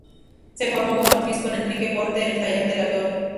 Se formó como actriz con Enrique Porte en el Taller del Actor.